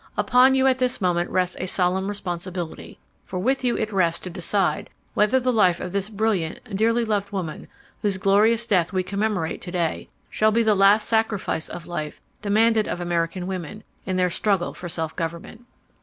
Upon you at this moment rests a solemn responsibility; for with you it rests to decide whether the life of this brilliant, dearly loved woman whose glorious death we commemorate to day, shall be the last sacrifice of fife demanded of American women in their struggle for self government.